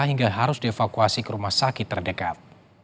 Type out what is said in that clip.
hingga harus dievakuasi ke rumah sakit terdekat